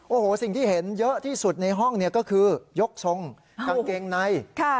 โอ้โหสิ่งที่เห็นเยอะที่สุดในห้องเนี่ยก็คือยกทรงกางเกงใน